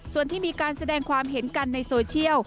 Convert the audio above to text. ส่วนที่มีการแสดงความเห็นกันในโซเชียล